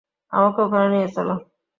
আমাকে ওখানে নিয়ে চল।